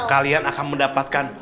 kalian akan mendapatkan